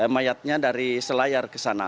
mayatnya dari selayar ke sana